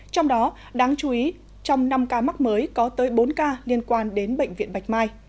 trong đó đáng chú ý trong năm ca mắc mới có tới bốn ca liên quan đến bệnh viện bạch mai